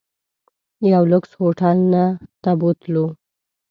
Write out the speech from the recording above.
یو لوکس هوټل ته بوتلو.